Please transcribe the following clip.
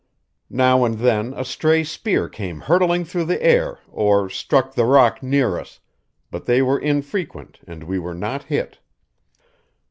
Now and then a stray spear came hurtling through the air or struck the rock near us, but they were infrequent and we were not hit.